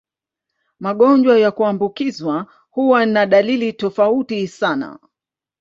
Magonjwa ya kuambukizwa huwa na dalili tofauti sana.